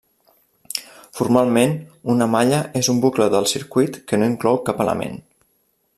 Formalment, una malla és un bucle del circuit que no inclou cap element.